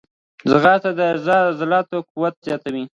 ځغاسته د عضلو قوت زیاتوي